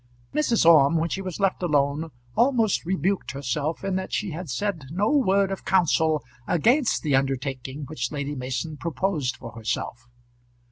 Mrs. Orme, when she was left alone, almost rebuked herself in that she had said no word of counsel against the undertaking which Lady Mason proposed for herself.